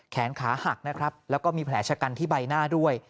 แขนขาหักและก็มีแผลชกันที่ใบหน้าด้วย